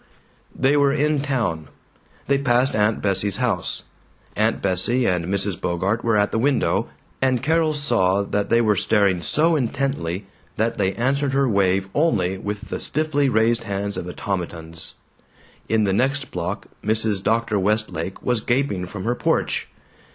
They were in town. They passed Aunt Bessie's house. Aunt Bessie and Mrs. Bogart were at the window, and Carol saw that they were staring so intently that they answered her wave only with the stiffly raised hands of automatons. In the next block Mrs. Dr. Westlake was gaping from her porch.